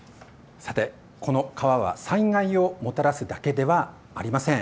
さて、この川は災害をもたらすだけではありません。